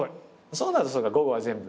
そうなると午後は全部。